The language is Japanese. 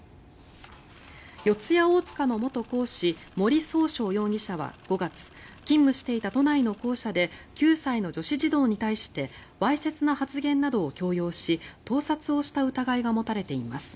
四谷大塚の元講師森崇翔容疑者は５月勤務していた都内の校舎で９歳の女子児童に対してわいせつな発言などを強要し盗撮をした疑いが持たれています。